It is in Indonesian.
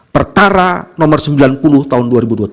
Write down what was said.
perkara nomor sembilan puluh tahun dua ribu dua puluh tiga